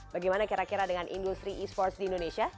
bagaimana kira kira dengan industri e sports di indonesia